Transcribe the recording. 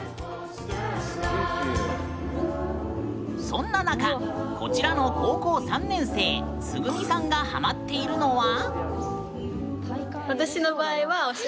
そんな中こちらの高校３年生つぐみさんがハマっているのは。